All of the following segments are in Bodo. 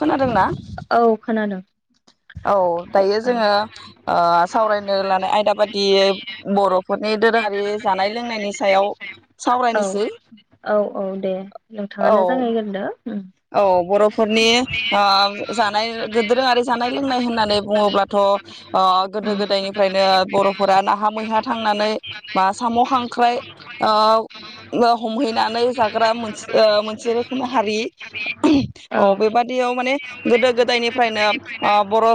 खोनादोंना औ खोनादों। दायो जोङो औ ओ सावरायनो लानाय आयदा बादियै औ बर'फोरनि दोरोङारि जानाय लोंनायनि दे सायाव सावरायनोसै नोंथांआनो औ जागायगोरदो औ बर'फोरनि ओ जानाय दोरोङारि जानाय लोंनाय होननानै बुङोब्लाथ' गोदो उम गोदायनिफ्रायनो बर'फोरा नाहा मैहा थांनानै बा साम' खांख्राइ ओ ओ हमहैनानै जाग्रा मोनसे ओ मोनसे रोखोमनि हारि। औ गोदो गोदायनिफ्रायनो ओ बर'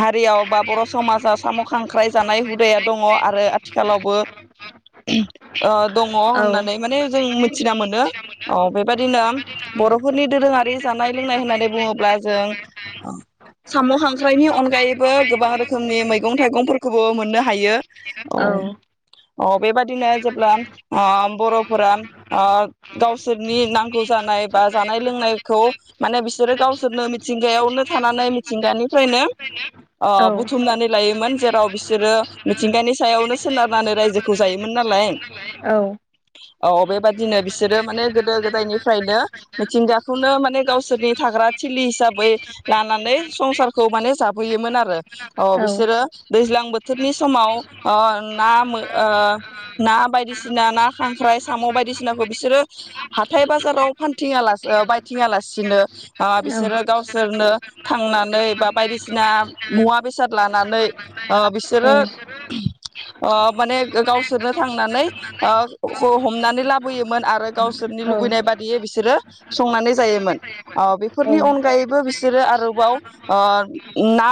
हारियाव बा बर' समाजाव साम' खांख्राय जानाय हुदाया दङ आरो आथिखालावबो दङ औ होननानै माने जों मिथिना मोनो ओ बेबायदिनो बर' फोरनि दोरोङारि जानाय लोंनाय होननानै बुङो। अब्ला जों साम' खांख्राइनि अनगायैबो गोबां रोखोमनि मैगं थाइगंफोरखौबो मोननो हायो औ औ बेबादिनो जेब्ला ओ बर'फोरा ओ गावसोरनि नांगौ जानाय बा जानाय लोंनायखौ माने बिसोर गावसोर नो मिथिंगायावनो थानानै मिथिंगानिफ्रायनो ओ बुथुमनानै लायोमोन जेराव बिसोरो मिथिंगानि सायावनो सोनारनानै रायजोखौ जायोमोन नालाय अ बेबादिनो बिसोरो माने गोदो गोदायनिफ्रायनो मिथिंगाखौनो माने गावसोरनि थाग्रा थिलि हिसाबै लानानै संसारखौ माने जाबोयोमोन आरो अ बिसोरो दैज्लां बोथोरनि समाव ओ ना ओ ना बायदिसिना ना खांख्राइ साम' बायदिसिनाखौ बिसोरो हाथाय बाजाराव फान थिङालासि बायथिङालासिनो ओ बिसोरो गावसोरनो थांनानै बा बायदिसिना मुवा बेसाद लानानै ओ बिसोरो ओ माने गावसोरनो थांनानै ओ हमनानै लाबोयोमोन आरो गावसोरनि लुबैनाय बादियै बिसोर बिसोरो संनानै जायोमोन ओ बे फोरनि अनगायैबो बिसोरो आरोबाव ओ ना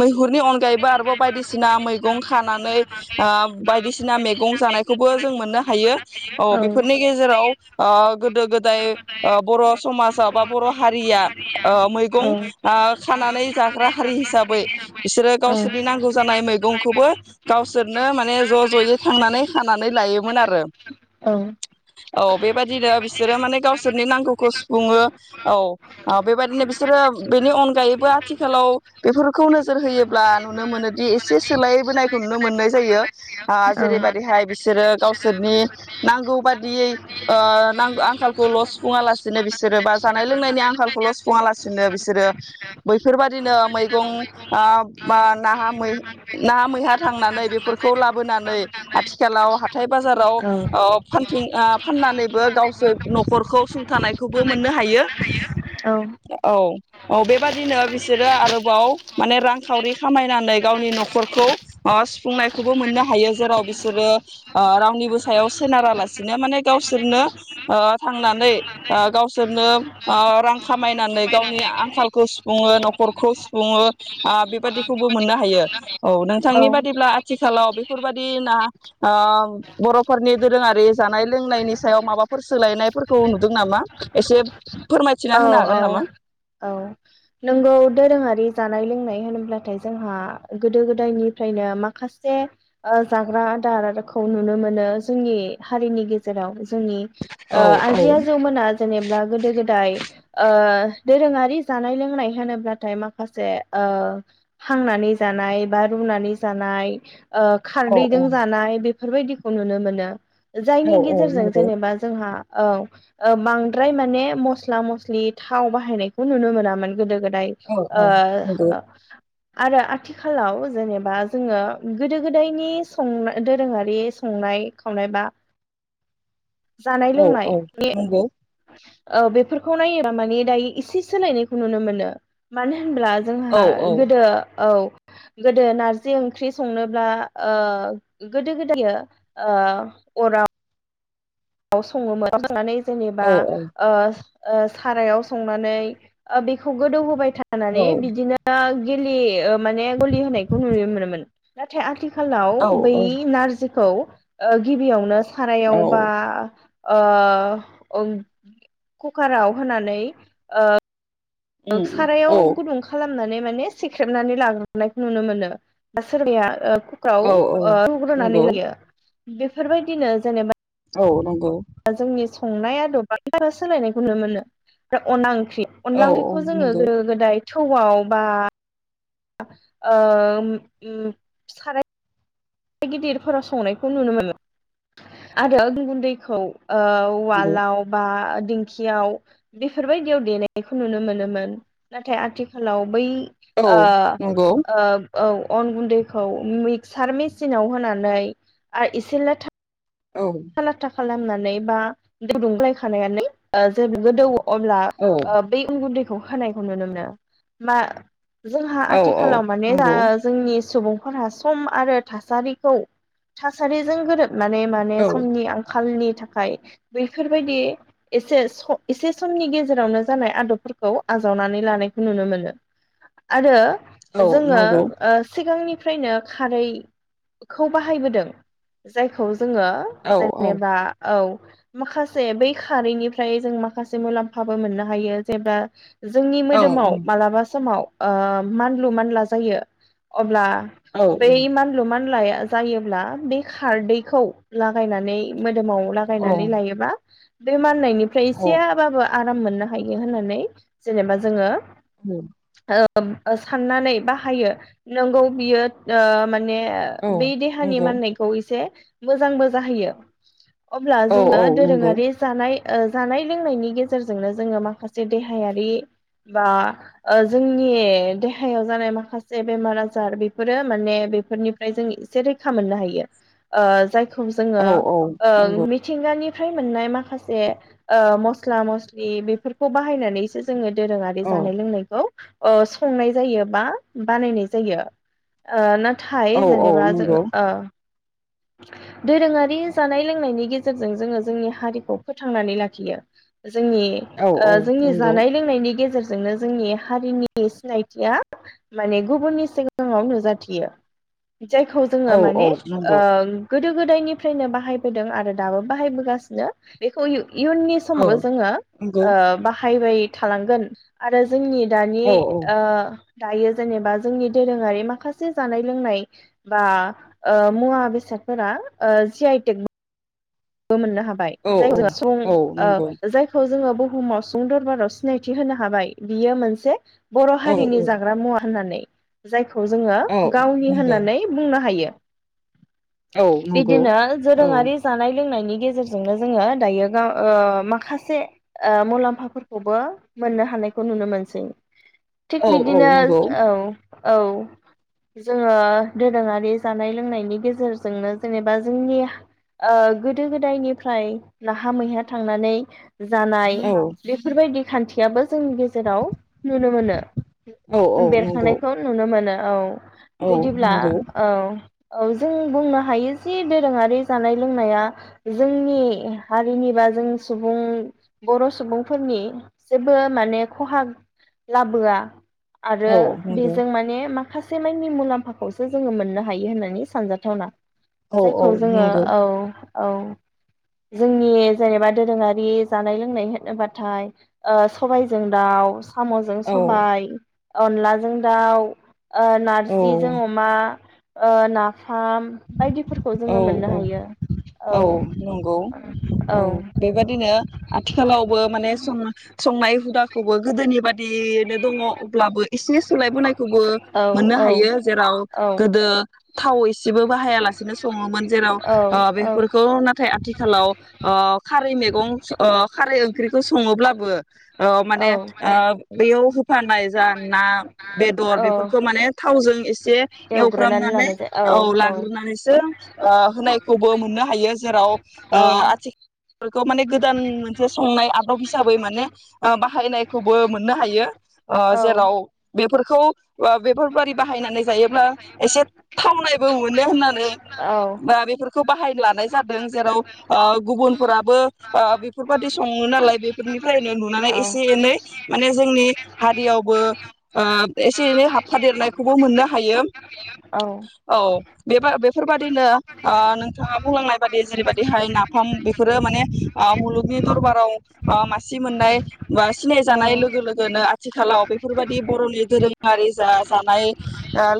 मैहुरनि अनगायैबो आरोबाव बायदिसिना मैगं खानानै ओ बायदिसिना मैगं जानायखौबो जों मोननो हायो औ बेफोरनि गेजेराव ओ गोदो गोदाय ओ बर' समाजा बा बर' हारि औ हारिया औ मैगं औ खानानै जाग्रा हारि हिसाबै बिसोरो गावसोरनि नांगौ जानाय मैगंखौबो गावसोरनो माने ज' ज'यै थांनानै खानानै लायोमोन आरो औ बेबादिनो बिसोरो माने गावसोर बिसोरनि नांगौखौ सुफुंङो औ। ओ बेबायाददिनो बिसोरो बेनि अनगायैबो आथिखालाव बेफोरखौ नोजोर होयोब्ला नुनो मोनोदि एसे सोलायबोनायखौ नुनो मोननाय जायो ओ औ जेरैबायदिहाय बिसोरो गावसोरनि नांगौ बादियै नांगौ आंखाल खौल' सुफुङालासेनो बिसोर बा जा जानाय लोंनायनि आंखालखौल' सुफुङा लासिनो बिसोरो बैफोरबादिनो मैगं ओ न नाहा मैहा थांनानै बेफोरखौ लाबोनानै आथिखालाव हाथाय बाजाराव फानथिं फाननानैबो गावसोर न'खरखौ सुंथानायखौबो मोननो हायो। औ औ औ बेबादिनो बिसोरो आरोबाव माने रांखावरि खामायनानै गावनि न'खरखौ ओ सुफुंनायखौबो मोननो हायो जेराव बिसोरो ओ रावनिबो सायाव सोनारालासिनो माने गावसोरनो ओ थांनानै ओ गावसोरनो ओ रां खामायनानै गावनि आंखालखौ सुफुङो न'खरखौ सुफुङो ओ बेबादिखौबो मोननो हायो। औ नोंथांनि औ बादिब्ला आथिखालाव बेफोरबादि ना ओ बर'फोरनि दोरोङारि जानाय लोंनायनि सायाव माबा फोर सोलायनायफोरखौ नुदों नामा एसे फोरमायथिना होनो हागोन औ औ नामा? औ होनब्लाथाय जोंहा गोदो गोदायनिफ्रायनो माखासे ओ जाग्रा आदार खौ नुनो मोनो जोंनि हारिनि गेजेराव जोंनि औ ओ आजै आजौमोना जेनेबा गोदो गोदाय ओ दोरोङारि जानाय लोंनाय होनोब्लाथाय माखासे ओ हांनानै जानाय बा रुनानै जानाय ओ औ खारदैजों जानाय बे फोरबायदिखौ नुनो मोनो। औ जायनि औ गेजेरजों नंगौ जेनेबा जोंहा औ बांद्राय माने मस्ला मस्लि थाव बाहायनायखौ नुनो मोनामोन गोदो गो दाय औ औ नंगौ ओ आरो आथिखालाव जेनेबा जोङो गोदो गोदायनि सं दोरोङारि बे संनाय खावनाय बा जानाय औ औ लोंनाय नि नंगौ औ बेफोरखौ नायोबा माने दायो इसे सोलायनायखौ नुनो मोनो मानो होनब्ला औ जोंहा औ गोदो औ गोदो नारजि ओंख्रि संनोब्ला ओ गोदो गोदायो अराव सङोमोन संनानै औ जेनेबा ओ ओ सारायाव संनानै ओ बेखौ गोदौ होबाय औ थानानै बिदिनो गिलि माने गलि होनायखौ नुयो नुनो मोनोमोन। नाथाय आथि खालाव औ बै नारजि खौ गिबियावनो औ सारायाव बा ओ कुकाराव होनानै ओ उम सारायाव उम गुदुं खालाम लामनानै माने सिख्रेबनानै लाग्रोनायखौ नुनो मोनो सोरबाया औ औ कुकाराव रुग्रोनानै नंगौ लायो। बेफोरबायदिनो जेनेबा औ नंगौ। जोंनि संनाया अदबआ सोलायनायखौ नुनो मोनो। ओमफ्राय अन ओंख्रि औ अनला औ ओंख्रिखौ जोङो नंगौ गोदो गोदाय थौआव बा ओ ओम साराय गिदिरफोराव संनायखौ नुनो मोनो आरो गुन्दैखौ ओ नंगौ वालाव बा दिंखियाव बेफोरबायदियाव देनायखौ नुनो मोनोमोन नाथाय आथिखालाव बै औ आ नंगौ आ औ अन गुन्दैखौ मिक्सार मि सिनाव होनानै आरो इसेल' थ औ लाथा खालामना नै बा [unintelligible] गोदौ अब्ला ओ बै अन गुनदैखौ खौ होनायखौ नुनो मोनो मा जोंहा औ औ आथिखालाव माने नंगौ जोंनि सुबुंफोरा सम आरो थासारिखौ थासारिजों गोरोब माने औ समनि आंखाल खालनि थाखाय बैफोरबायदि एसे एसे समनि गेजेरावनो जानाय आदबफोरखौ आजावनानै लानायखौ नुनो मोनो आरो। जोङो नंगौ ओ सिगांनि फ्रायनो खारैखौ बाहायबोदों जायखौ जोङो औ औ जेनेबा औ माखासे बै खारैनिफ्राय जों माखासे मुलाम्फाबो मोननो हायो जेब्ला। जोंनि मोदोमाव मालाबा समाव ओ मानलु मानला जायो अब्ला। बेैै मानलु मानलाया जायोब्ला बे खारदैखौ लागाय गायनानै मोन दोमाव औ लागायनानै लायोबा बे मा फोननायनिफ्राय औ एसेयाबाबो आराम मोननो हायो होननानै जेनेबा जोङो औ। ओम साननानै बाहायो नोंगौ बियो ओ माने बै नंगौ देहानि माननायखौ एसे मोजांबो जाहोयो। अब्ला औ नंगौ औ जोङो दोरोङारि नंगौ जानाय ओ जानाय लोंनायनि गेजेरजोंनो जोङो माखासे देहायारि बा ओ जोंनि देहायाव जानाय माखासे बेमार आजार बेफोरो माने बेफोरनिफ्राय जों एसे रैखा मोननो हायो ओ जाय खौ जोङो ओ मिथिंगानि फ्राय मोननाय माखासे ओ मस्ला मस्लि बेफोरखौ बाहायनानैसो जोङो दोरोङारि औ जानाय लोंनायखौ ओ संनाय जायो बा बानायनाय जायो ओ ना थाय औ औ जेनेबा नंगौ जोङो ओ दोरोङारि जानाय लोंनायनि गेजेरजों जोङो जोंनि हारिखौ फोथांनानै लाखियो। जोंनि औ औ ओ जोंनि नंगौ जानाय लोंनायनि गेजेरजों जोंनो जोंनि हारिनि सिनायथिया माने गुबुननि सिगाङाव नुजाथियो। जायखौ जोङो औ औ माने नंगौ गोदो गोदायनिफ्रायनो बाहायबोदों आरो दाबो बाहायबोगासिनो बेखौ [unintelligible] इयुननि औ समावबो जोङो नंगौ ओ बा बाय थालांगोन आरो जोंनि दानि औ औ ओ दायो जेनेबा जोंनि दोरोङारि माखासे जानाय लोंनाय बा ओ मुवा बेसादफोरा ओ जि आइ टेक बो मोननो हाबाय औ [unintelligible] औ ओ नंगौ जायखौ जोङो बुहुमाव सुंदरबाराव सिनायथि होनो हाबाय बियो मोनसे बर' औ हारिनि जाग्रा मुवा होननानै जाय खौ जोङो औ गावनि नंगौ होननानै बुंनो हायो। औ नंगौ बिदिनो औ दोरोङारि जानाय लोंनायनि गेजेरजोंनो जोङो दायो गाव ओ माखासे ओ मुलाम्फा फोरखौबो मोननो हानायखौ नुनो मोनसै। थिग औ औ बिदिनो नंगौ औ। औ जोङो दोरोङारि जानाय लोंनायनि गेजेर जोंनो जेनेबा जोंनि ओ गोदो गोदायवनिफ्राय नाहा मैहा थांनानै जानाय औ बेफोर बायदि खान्थियाबो जोंनि गेजेराव नुनो मोनो, औ औ नंगौ बेरखांनायखौ नुनो मोनो। औ। औ बिदिब्ला नंगौ औ। औ जों बुंनो हायो जि दोरोङारि जानाय लोंनाया जोंनि हारिनि बा जों सुबुं बर' सुबुं फोरनि जेबो माने खहा लाबोआ आरो औ नंगौ बेजों माने मा हासे माइनि मुलाम्फा खौसो जोङो मोननो हायो होननानै सानजा थावना। औ औ जायखौ जोङो नंगौ औ। औ जोंनि जेनेबा दोरोङारि जानाय लोंनाय होनो बाथाय ओ सबायजों दाउ साम'जों औ सबाय अनलाजों दाउ ओ नारजि औ जों अमा ओ ना फाम बायदि फोरखौ औ जोङो मोननो हायो। औ नंगौ औ बेबादिनो आथिखालावबो माने सं संनाय हुदाखौबो गोदोनि बादि नो दङ अब्लाबो एसे सोलाय बोनायखौबो औ मोननो औ हायो जेराव औ गोदो थाव एसे जेबो बाहाया लासेनो सङोमोन जेराव औ ओ बे औ फोरखौ नाथाय आथिखालाव ओ खार खारै मैगं ओ खारै ओंख्रिखौ सङो ब्लाबो औ माने ओ बेयाव होफानाय जा ना बेदर औ बेफोरखौ माने थावजों एसे एव एवग्रोनानै फ्रामनानै लानाय औ जायो लाग्रोनानै सो ओ होनाय खौबो मोननो हायो जेराव ओ औ आथि खौ गोदान मोनसे संनाय आदब हिसाबै माने ओ बाहायनाय खौबो मोननो हायो ओ औ जेराव बेफोर खौ बेफोर बारि बाहायनानै जायोब्ला एसे थावनाय बो मोनो होननानै औ बा बेफोरखौ बाहायनो लानाय जादों जेराव ओ गुबुन फोराबो ओ बेफोर बादि सङो नालाय बेफोरनि फ्रायनो नुनानै एसे एनै माने जोंनि हारियावबो ओ एसे एनै हाब फादेर नायखौबो मोननो हायो। औ बेफोर बेफोर बादिनो ओ नोंथाङा बुंलांनाय बादि जेरै बादिहाय नाफाम बेफोरो माने ओ मुलुगनि दरबाराव ओ मासि मोननाय बा औ सिनायजानाय लोगो लोगोनो आथिखालाव बेफोरबायदि बरनि धोरोमारि जा जानाय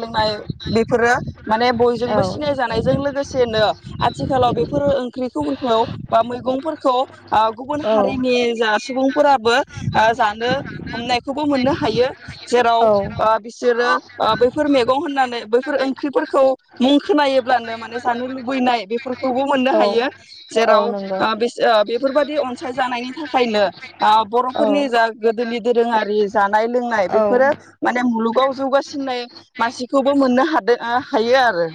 लोंनाय बेफोरो माने औ बयजोंबो सिनाय जानायजों लोगोसे [unintelligible] आथिखालाव बेफोरो ओंख्रिफोरखौ बा मैगंफोरखौ ओ गुबुन हारिनि जा सुबुं फोराबो ओ जानो हमनायखौबो मोननो हायो जेराव औ ओ बिसोरो ओ बेफोर मैगं होननानै बैफोर ओंख्रिफोरखौ मुं खोनायोब्लानो माने जानो लुबैनाय बे फोरखौबो मोननो औ हायो औ जेराव नंगौ ओ बिसो बेफ बेफोरबायादि अनसाय जानायनि थाखायनो। औ बरफोरनि जा गोदोनि। दोरोङारि जा औ [unintelligible] गाव जौगासिननाय मानसिखौ। बो मोननो हादों हायो आरो।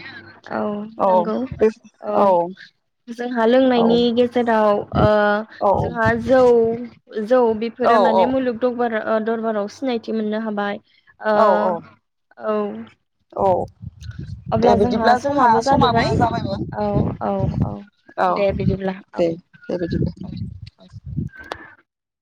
औ नंगौ। औ जोंहा औ लोंनायनि गेजेराव ओ औ जोंहा जौ। जौ औ बेफोरो माने मुलुग दंबार। ओ दरबाराव सिनायथि मोननो हाबाय। ओ औ औ अब्ला दे जोंहा बिदिब्ला समाबो जादोबाय जाबायमोन औ-औ-औ औ दे बिदिब्ला दे दे बिदिब्ला औ-औ